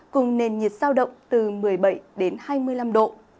cùng nền nhiệt sao động từ một mươi bảy đến hai mươi năm độ